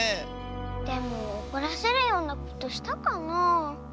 でもおこらせるようなことしたかなあ。